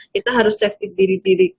kita harus safety diri diri